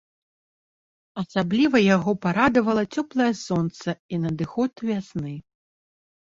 Асабліва яго парадавала цёплае сонца і надыход вясны.